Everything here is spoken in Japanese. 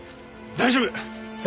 大丈夫！